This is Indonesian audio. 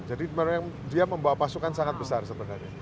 dia membawa pasukan sangat besar sebenarnya